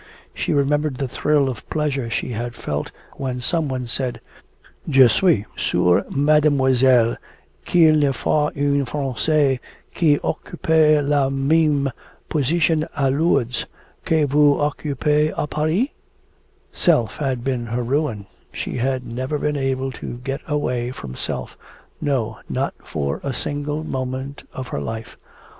She remembered the thrill of pleasure she had felt when some one said: 'Je suis sur Mademoiselle, quil n'a fas une Francaise qui occupe la mime position a Londres, que vous occupez a Paris?' Self had been her ruin; she had never been able to get away from self, no, not for a single moment of her life.